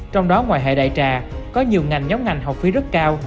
trong đó ngoài hệ đại trà có nhiều ngành nhóm ngành học phí rất cao